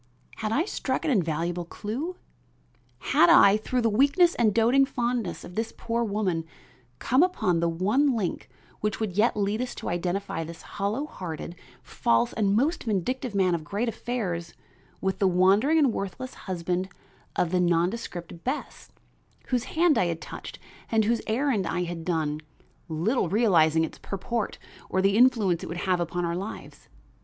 Had I struck an invaluable clue? Had I, through the weakness and doting fondness of this poor woman, come upon the one link which would yet lead us to identify this hollow hearted, false and most vindictive man of great affairs with the wandering and worthless husband of the nondescript Bess, whose hand I had touched and whose errand I had done, little realizing its purport or the influence it would have upon our lives?